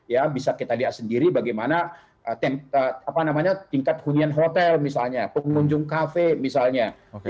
ya bisa kita lihat sendiri bagaimana tingkat hunian hotel misalnya pengunjung kafe misalnya